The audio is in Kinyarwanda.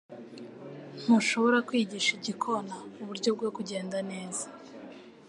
Ntushobora kwigisha igikona uburyo bwo kugenda neza.